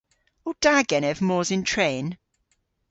O da genev mos yn tren?